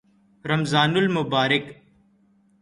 رمضان المبارک